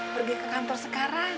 pergi ke kantor sekarang